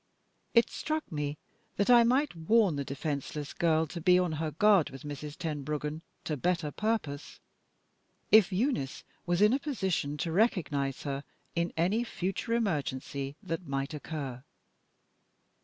It struck me that I might warn the defenseless girl to be on her guard with Mrs. Tenbruggen to better purpose, if Eunice was in a position to recognize her in any future emergency that might occur.